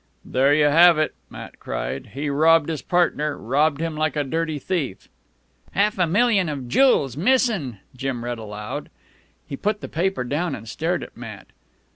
"There you have it!" Matt cried. "He robbed his partner robbed him like a dirty thief." "Half a million of jewels missin'," Jim read aloud. He put the paper down and stared at Matt.